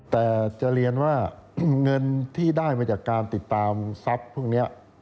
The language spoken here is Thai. แต่จะเรียนว่าเงินที่ได้มาจากการติดตามทรัพย์พวกนี้